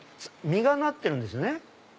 実がなってるんですね。